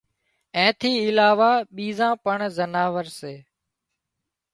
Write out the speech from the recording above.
اين ٿِي علاوه ٻيزان پڻ زناورسي